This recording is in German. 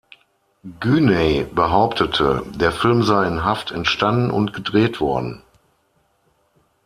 Güney behauptete, der Film sei in Haft entstanden und gedreht worden.